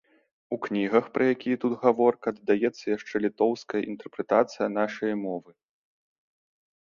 У кнігах, пра якія тут гаворка, дадаецца яшчэ літоўская інтэрпрэтацыя нашае мовы.